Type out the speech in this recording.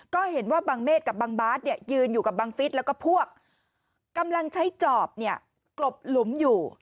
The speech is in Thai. ก็เห็นว่าบังเศษกับบังบาสเนี่ยยืนอยู่กับบังฟิศแล้วก็พวกกำลังใช้จอบเนี่ยกลบหลุมอยู่